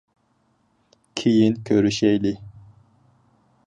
كېيىن كۆرۈشەيلى.